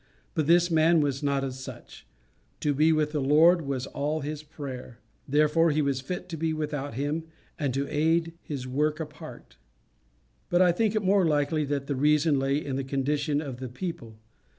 But this man was not of such. To be with the Lord was all his prayer. Therefore he was fit to be without him, and to aid his work apart. But I think it more likely that the reason lay in the condition of the people.